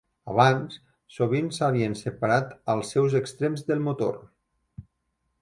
Abans, sovint s'havien separat als seus extrems del motor.